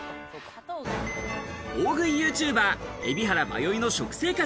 大食いＹｏｕＴｕｂｅｒ・海老原まよいの食生活。